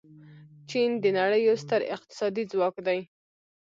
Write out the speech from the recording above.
چین د نړۍ یو ستر اقتصادي ځواک دی.